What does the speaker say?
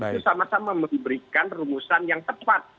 itu sama sama memberikan rumusan yang tepat